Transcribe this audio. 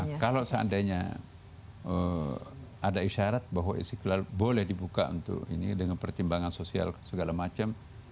nah kalau seandainya ada isyarat bahwa istiqlal boleh dibuka untuk ini dengan pertimbangan sosial segala macam